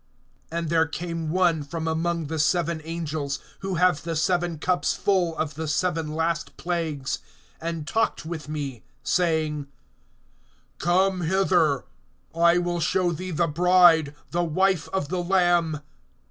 (9)And there came one from among the seven angels, who have the seven cups full of the seven last plagues, and talked with me, saying: Come hither; I will show thee the bride, the wife of the Lamb.